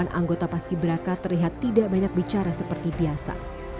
dan anggota paski braka terlihat tidak banyak bicara seperti biasa